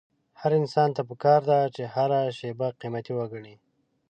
هر انسان ته پکار ده چې هره شېبه قيمتي وګڼي.